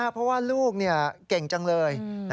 เพราะว่าลูกเก่งจังเลย